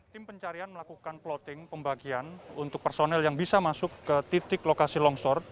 tim pencarian melakukan plotting pembagian untuk personel yang bisa masuk ke titik lokasi longsor